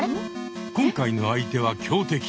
今回の相手は強敵。